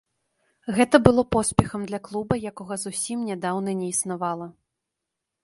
Гэта было поспехам для клуба, якога зусім нядаўна не існавала.